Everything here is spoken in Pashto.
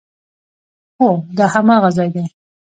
هو، دا هماغه ځای ده